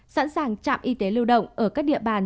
sẵn sàng trạm y tế lưu động ở các địa bàn